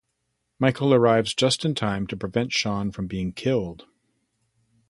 Michael arrives just in time to prevent Shawn from being killed.